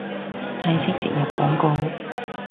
泰式植入廣告